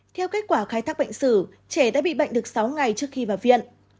theo kết quả khai thác bệnh sử trẻ đã bị bệnh được sáu ngày trước khi vào viện